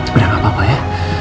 beda gak apa apa ya